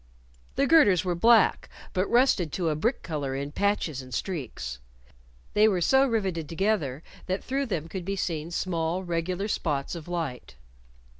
The girders were black, but rusted to a brick color in patches and streaks. They were so riveted together that through them could be seen small, regular spots of light.